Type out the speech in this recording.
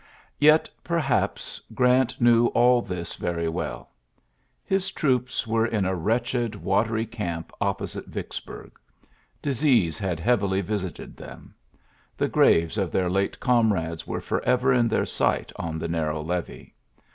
Yet, perhaps, Grant knew all this very well. His troops were in a wretched watery camp opposite Vicks burg. Disease had heavily visited them. The graves of their late comrades were forever in their sight on the narrow levee.